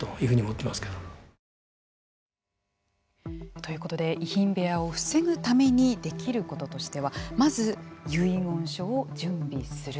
ということで遺品部屋を防ぐためにできることとしてはまず、遺言書を準備する。